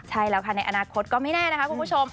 ใช่แล้วค่ะในอนาคตก็ไม่แน่นะคะคุณผู้ชม